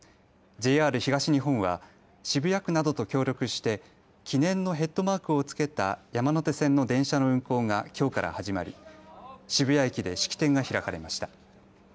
ＪＲ東日本は渋谷区などと協力して記念のヘッドマークを付けた山手線の電車の運行がきょうから始まり渋谷駅で式典が開かれました。